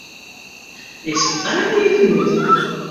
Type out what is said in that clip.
Ik sil dy nea ferjitte.